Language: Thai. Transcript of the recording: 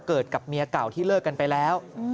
กับเมียเก่าที่เลิกกันไปแล้ว